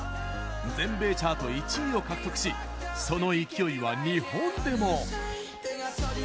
全米チャート１位を獲得しその勢いは日本でも！